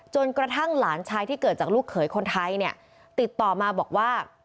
กระทั่งหลานชายที่เกิดจากลูกเขยคนไทยเนี่ยติดต่อมาบอกว่า